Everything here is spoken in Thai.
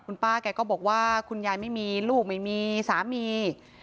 คุณป้าแกก็บอกว่าคุณยายไม่มีลูกไม่มีสามี